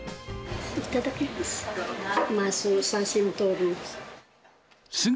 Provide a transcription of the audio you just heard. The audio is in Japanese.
いただきます。